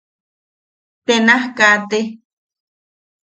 Te naj kaate.